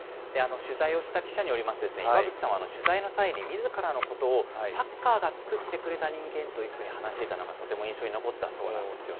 取材をした記者によりますと、岩渕さんは取材の際にみずからのことを、サッカーが作ってくれた人間というふうに話していたのが、とても印象に残ったそうなんですよね。